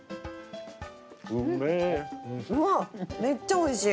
めっちゃおいしい！